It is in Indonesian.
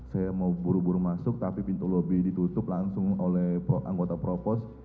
saya mau buru buru masuk tapi pintu lobby ditutup langsung oleh anggota provos